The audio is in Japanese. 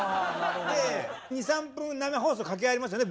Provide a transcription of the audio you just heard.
２３分生放送掛け合いありますよね。